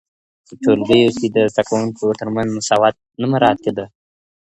په ټولګیو کي د زده کوونکو ترمنځ مساوات نه مراعات کيده.